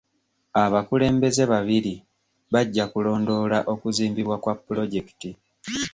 Abakulembeze babiri bajja kulondoola okuzimbibwa kwa pulojekiti.